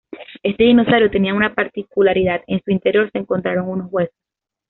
Este dinosaurio tenía una particularidad: en su interior se encontraron unos huesos.